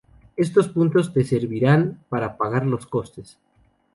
Estos puntos te servirán para pagar los costes.